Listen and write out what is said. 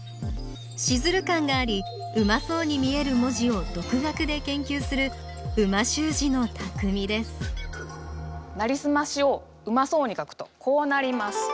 シズル感がありうまそうに見える文字を独学で研究する美味しゅう字のたくみです「なりすまし」をうまそうに書くとこうなります。